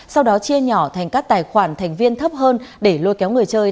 sau đó chia nhỏ thành các tài khoản thành viên thấp hơn để lôi kéo người chơi